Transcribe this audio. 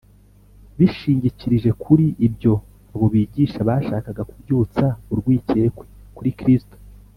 . Bishingikirije kuri ibyo, abo bigisha bashakaga kubyutsa urwikekwe kuri Kristo